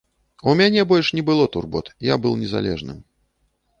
У мяне больш не было турбот, я быў незалежным.